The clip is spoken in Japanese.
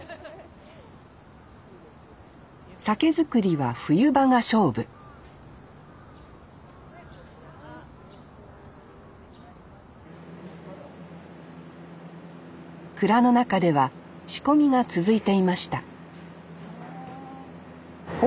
酒造りは冬場が勝負蔵の中では仕込みが続いていましたあ。